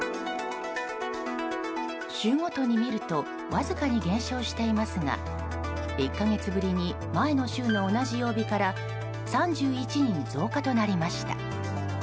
週ごとに見るとわずかに減少していますが１か月ぶりに前の週の同じ曜日から３１人増加となりました。